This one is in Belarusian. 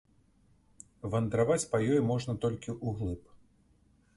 Вандраваць па ёй можна толькі ўглыб.